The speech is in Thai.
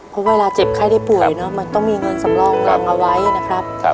เพราะเวลาเจ็บไข้ได้ป่วยเนอะมันต้องมีเงินสำรองรังเอาไว้นะครับ